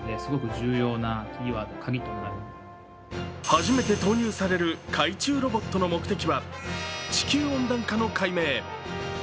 初めて投入される海中ロボットの目的は地球温暖化の解明。